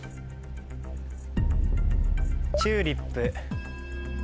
『チューリップ』。